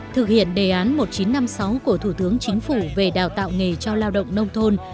thực hiện đề án một nghìn chín trăm năm mươi sáu của thủ tướng chính phủ về đào tạo nghề cho lao động nông thôn